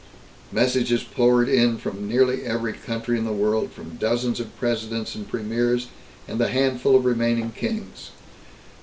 Messages poured in from nearly every country in the world, from dozens of presidents and premiers, and the handful of remaining kings.